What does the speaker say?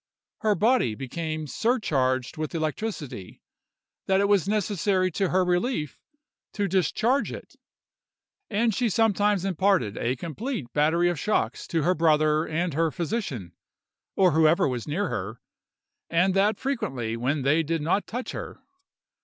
Her body became so surcharged with electricity, that it was necessary to her relief to discharge it; and she sometimes imparted a complete battery of shocks to her brother and her physician, or whoever was near her, and that frequently when they did not touch her.